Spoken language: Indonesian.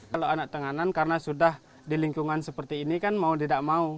kalau anak tenganan karena sudah di lingkungan seperti ini kan mau tidak mau